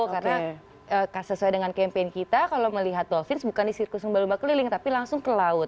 karena sesuai dengan campaign kita kalau melihat dolphin bukan di sirkus sembal sembal keliling tapi langsung ke laut